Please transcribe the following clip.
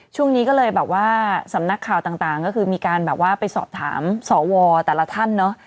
ช่วงนี้ก็เลยแบบว่าสำนักข่าวต่างก็คือมีการแบบว่าไปสอบถามสวแต่ละท่านเนอะ